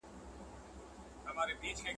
څوک به واوري ستا نظمونه څوک به ستا غزلي لولي